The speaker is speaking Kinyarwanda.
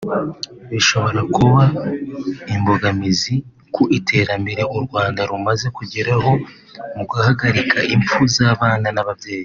bishobora kuba imbogamizi ku iterambere u Rwanda rumaze kugeraho mu guhagarika imfu z’abana n’ababyeyi